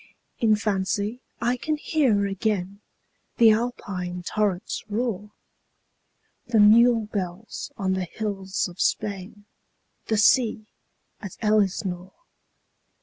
In fancy I can hear again The Alpine torrent's roar, The mule bells on the hills of Spain, 15 The sea at Elsinore.